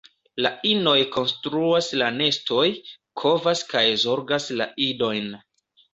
La inoj konstruas la nestojn, kovas kaj zorgas la idojn.